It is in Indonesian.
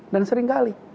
dan sering kali